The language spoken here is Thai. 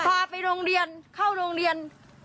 พาไปโรงเรียนเข้าโรงเรียน